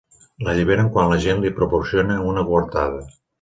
L'alliberen quan la Jane li proporciona una coartada.